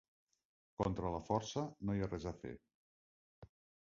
Contra la força no hi ha res a fer.